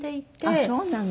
あっそうなの。